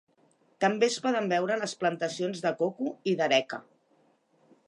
També es poden veure les plantacions de coco i d'areca.